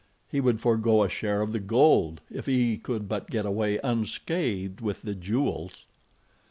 He would forego a share of the gold, if he could but get away unscathed with the jewels.